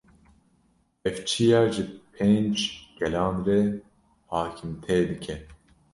Ev çiya ji pênc gelan re hakimtê dike